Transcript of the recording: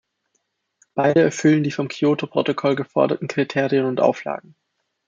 Beide erfüllen die vom Kyoto-Protokoll geforderten Kriterien und Auflagen.